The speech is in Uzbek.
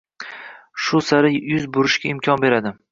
Shu sari yuz burishga imkon beradi.